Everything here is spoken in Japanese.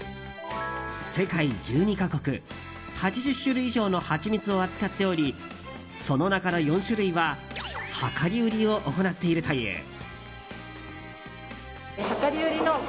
世界１２か国、８０種類以上のハチミツを扱っておりその中の４種類は量り売りを行っているという。